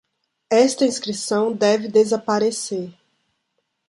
Esta inscrição deve desaparecer!